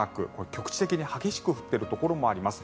局地的に激しく降っているところもあります。